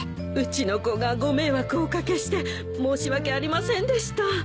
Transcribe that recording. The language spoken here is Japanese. うちの子がご迷惑をおかけして申し訳ありませんでした。